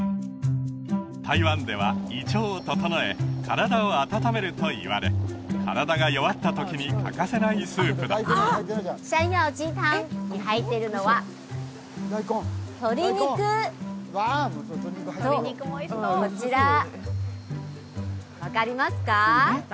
台湾では胃腸を整え体を温めるといわれ体が弱った時に欠かせないスープだ山藥鷄湯に入ってるのは鶏肉とこちら分かりますか？